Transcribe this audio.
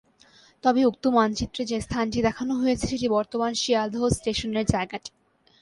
তবে উক্ত মানচিত্রে যে স্থানটি দেখানো হয়েছে সেটি বর্তমান শিয়ালদহ স্টেশনের জায়গাটি।